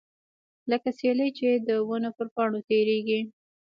لکه سیلۍ چې د ونو پر پاڼو تیریږي.